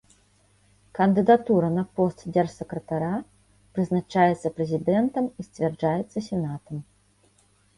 Кандыдатура на пост дзяржсакратара прызначаецца прэзідэнтам і зацвярджаецца сенатам.